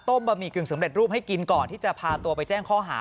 บะหมี่กึ่งสำเร็จรูปให้กินก่อนที่จะพาตัวไปแจ้งข้อหา